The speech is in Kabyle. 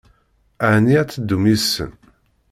Ɛni ad teddum yid-sen?